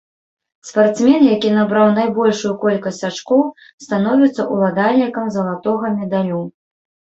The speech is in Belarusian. Спартсмен, які набраў найбольшую колькасць ачкоў, становіцца ўладальнікам залатога медалю.